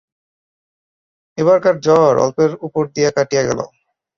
এবারকার জ্বর অল্পের উপর দিয়া কাটিয়া গেল।